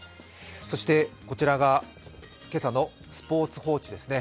そして、こちらが今朝のスポーツ報知ですね。